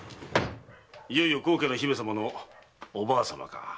いよいよ高家の姫様のおばあさまか。